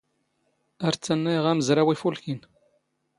ⴰⵔ ⵜⵜⴰⵏⵏⴰⵢⵖ ⴰⵎⵣⵔⴰⵡ ⵉⴼⵓⵍⴽⵉⵏ.